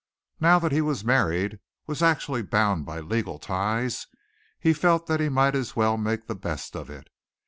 Now that he was married, was actually bound by legal ties, he felt that he might as well make the best of it.